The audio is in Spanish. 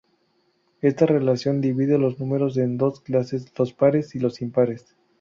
Esta relación divide los números en dos clases, los pares y los impares.